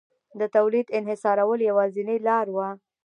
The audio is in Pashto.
د تولید انحصارول یوازینۍ لار وه